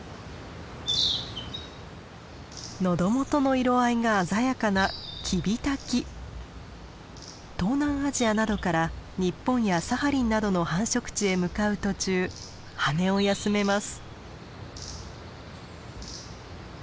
喉元の色合いが鮮やかな東南アジアなどから日本やサハリンなどの繁殖地へ向かう途中羽を休めます。